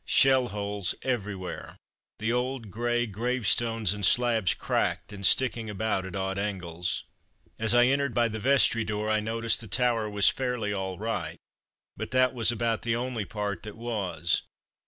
Shell holes everywhere; the old, grey grave stones and slabs cracked and sticking about at odd angles. As I entered by the vestry door I noticed the tower was fairly all right, but that was about the only part that was.